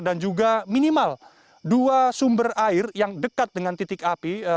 juga minimal dua sumber air yang dekat dengan titik api